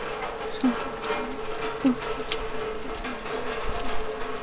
স্বভাবতই পূর্বোক্ত সিদ্ধান্ত হইতে নানা প্রশ্ন মনে উদিত হয়।